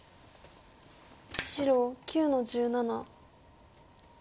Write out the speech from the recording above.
白９の十七。